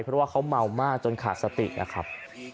เพราะว่าเขาเมามากจนขาดสตินะครับ